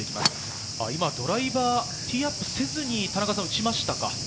今、ドライバー、ティーアップせずに打ちましたか？